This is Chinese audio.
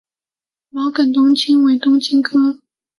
毛梗冬青为冬青科冬青属小果冬青下的一个变型。